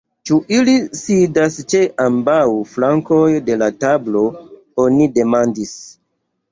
Ĉu li sidas ĉe ambaŭ flankoj de la tablo, oni demandis.